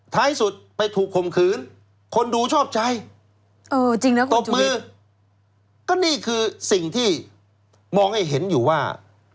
ท้ายสุดไปถูกข่มขืนคนดูชอบใช้ตบมือก็นี่คือสิ่งที่มองให้เห็นอยู่ว่า